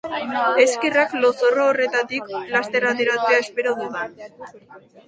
Eskerrak lozorro honetatik laster ateratzea espero dudan!